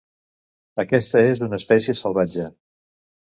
Aquesta és una espècie salvatge.